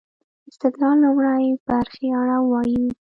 استدلال لومړۍ برخې اړه ووايو.